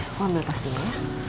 aku ambil pas dulu ya